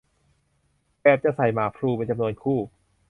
แบบจะใส่หมากพลูเป็นจำนวนคู่